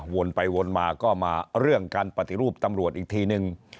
วนไปวนมาก็มาเรื่องการปฏิรูปตำรวจอีกทีนึง